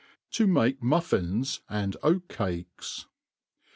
309 To make Muffins and Oat Cakes.